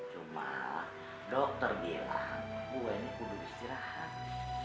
cuma dokter bilang gue ini kudus istirahat